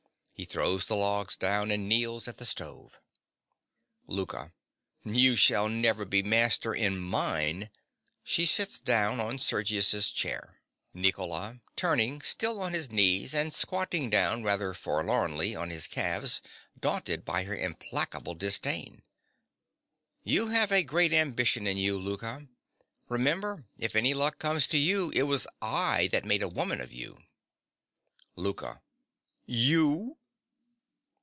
(He throws the logs down and kneels at the stove.) LOUKA. You shall never be master in mine. (She sits down on Sergius's chair.) NICOLA. (turning, still on his knees, and squatting down rather forlornly, on his calves, daunted by her implacable disdain). You have a great ambition in you, Louka. Remember: if any luck comes to you, it was I that made a woman of you. LOUKA. You!